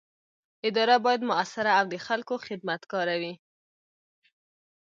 اداره باید مؤثره او د خلکو خدمتګاره وي.